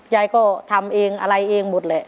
ยายก็ทำอะไรเองหมดเลย